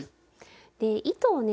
で糸をね